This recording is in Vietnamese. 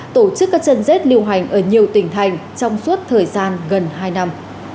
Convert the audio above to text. tổ chức các chân rết lưu hành ở nhiều tỉnh thành trong suốt thời gian gần hai năm